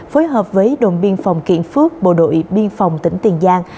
phối hợp với đồn biên phòng kiện phước bộ đội biên phòng tỉnh tiền giang